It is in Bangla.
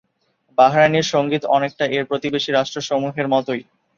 বাহরাইনের সঙ্গীত অনেকটা এর প্রতিবেশী রাষ্ট্রসমূহের মতই।